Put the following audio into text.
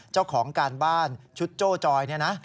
เจ้าของการบ้านชุดโจ้จอยเนี่ยนะ